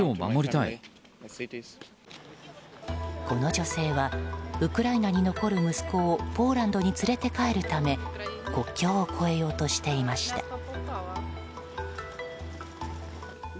この女性はウクライナに残る息子をポーランドに連れて帰るため国境を越えようとしていました。